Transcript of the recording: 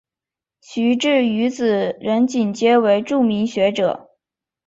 徐致愉子仁锦皆为著名学者。